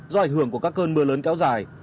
do ảnh hưởng của các cơn mưa lớn kéo dài